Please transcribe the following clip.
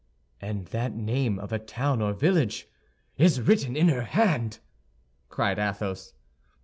"And that name of a town or village is written in her hand!" cried Athos.